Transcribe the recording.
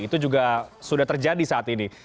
itu juga sudah terjadi saat ini